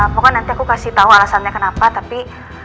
pokoknya nanti aku kasih tahu alasannya kenapa tapi